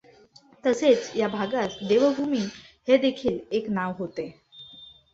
तसेच या भागास देवभूमी हे देखील एक नाव होते.